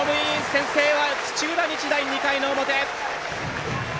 先制は土浦日大、２回の表！